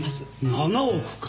７億か。